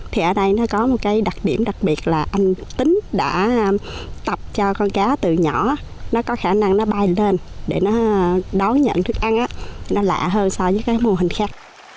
thì ở đây nó có một cái đặc điểm đặc biệt là anh tính đã tập cho con cá từ nhỏ nó có khả năng nó bay lên để nó đón nhận thức ăn nó lạ hơn so với cái mô hình khác